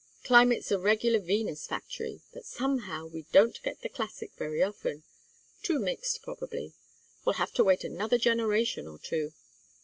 Climate's a regular Venus factory; but somehow we don't get the classic very often. Too mixed, probably. Will have to wait another generation or two.